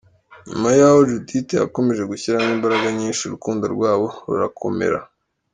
Nyuma y’aho Judithe yakomeje gushyiramo imbaraga nyinshi urukundo rwabo rurakomera.